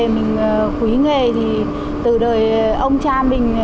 mình quý nghề thì từ đời ông cha mình